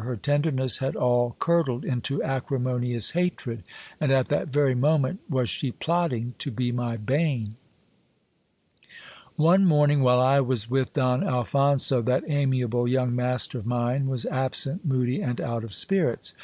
Her tenderness had all curdled into acrimonious hatred ; and at that very moment was she plotting to be my bane. One morning while I was with Don Alphonso, that amiable young master of mine was absent, moody, and out of spirits.